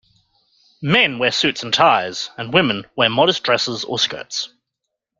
Men wear suits and ties, and women wear modest dresses or skirts.